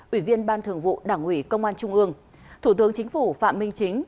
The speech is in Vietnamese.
ủy viên ban thường vụ đảng ủy công an trung ương thủ tướng chính phủ phạm minh chính